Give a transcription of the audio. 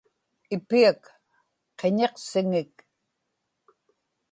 ipiak qiñiqsiŋik